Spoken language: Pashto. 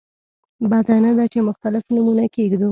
بده نه ده چې مختلف نومونه کېږدو.